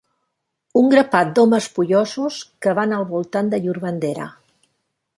Un grapat d'homes pollosos cavant al voltant de llur bandera